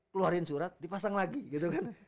keluarin surat dipasang lagi gitu kan